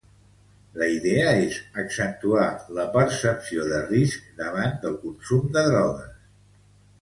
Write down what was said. La idea és accentuar la percepció de risc davant del consum de drogues.